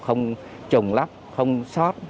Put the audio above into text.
không trùng lắp không sót